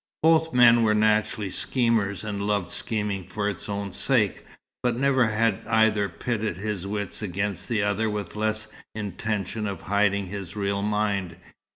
Both men were naturally schemers, and loved scheming for its own sake, but never had either pitted his wits against the other with less intention of hiding his real mind.